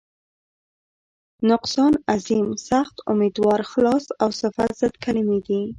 نقصان، عظیم، سخت، امیدوار، خلاص او صفت ضد کلمې دي.